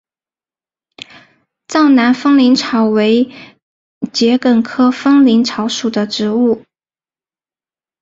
藏南风铃草为桔梗科风铃草属的植物。